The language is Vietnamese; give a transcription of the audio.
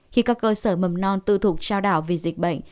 khi các cơ sở mầm non tư thục trao đảo vì dịch bệnh